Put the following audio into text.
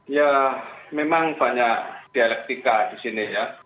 ya memang banyak dialektika di sini ya